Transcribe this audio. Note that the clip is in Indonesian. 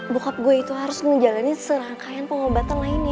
bokap gue itu harus menjalani serangkaian pengobatan lainnya